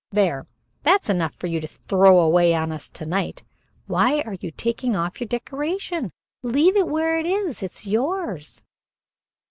"There that's enough for you to throw away on us to night. Why are you taking off your decoration? Leave it where it is. It's yours."